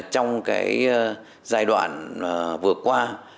trong giai đoạn vừa qua